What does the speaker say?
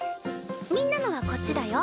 みんなのはこっちだよ。